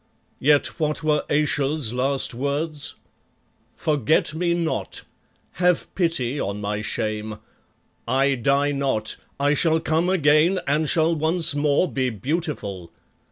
Yet what were Ayesha's last words? "_Forget me not ... have pity on my shame. I die not. I shall come again and shall once more be beautiful.